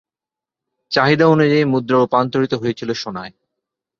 চাহিদা অনুযায়ী মুদ্রা রূপান্তরিত হয়েছিল সোনায়।